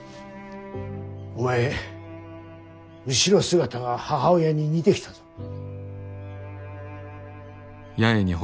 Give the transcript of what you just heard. お前後ろ姿が母親に似てきたぞ。